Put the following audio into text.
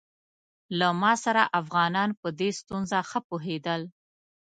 له ما سره افغانان په دې ستونزه ښه پوهېدل.